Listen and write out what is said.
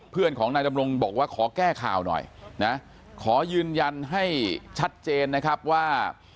เพื่อนของนายดำรงบอกว่าขอแก้ข่าวหน่อยนะขอยืนยันให้ชัดเจนนะครับว่า